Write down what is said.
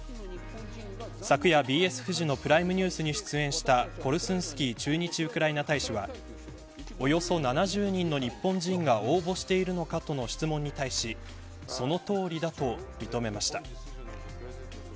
昨夜、ＢＳフジのプライムニュースに出演したコルスンスキーウクライナ大使はおよそ７０人の日本人が応募しているのかという質問に対しそのとおりだと認めました。